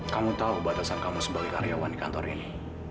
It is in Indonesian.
kamu tahu batasan kamu sebagai karyawan di kantor ini